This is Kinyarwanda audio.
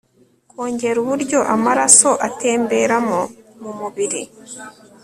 kongera uburyo amaraso atemberamo mu mubiri